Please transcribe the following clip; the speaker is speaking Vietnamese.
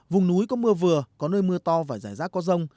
vùng núi có mưa vừa có nơi mưa to và rải rác có rông